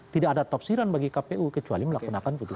tidak ada topsy ron bagi kpu kecuali melaksanakan putusan ini